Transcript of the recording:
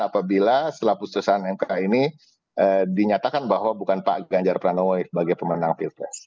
apabila setelah putusan mk ini dinyatakan bahwa bukan pak ganjar pranowo sebagai pemenang pilpres